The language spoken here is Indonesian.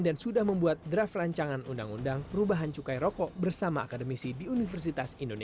dan sudah membuat derajat